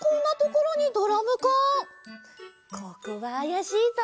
ここはあやしいぞ！